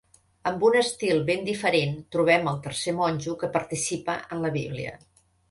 Amb un estil ben diferent, trobem el tercer monjo que participa en la Bíblia.